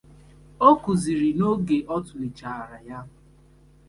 O kwuzịrị na oge ọ tụlechaara ya